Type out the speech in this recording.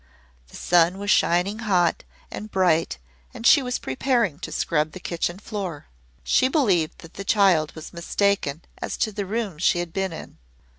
The sun was shining hot and bright and she was preparing to scrub the kitchen floor. She believed that the child was mistaken as to the room she had been in.